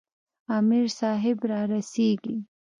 امیر صاحب را رسیږي.